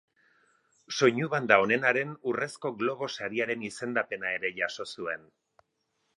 Soinua banda onenaren Urrezko Globo Sariaren izendapena ere jaso zuen.